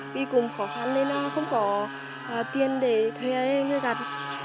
bị cùng khó khăn nên không có tiền để thuê người gạt